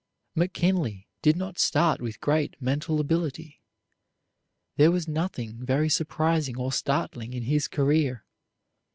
McKinley did not start with great mental ability. There was nothing very surprising or startling in his career.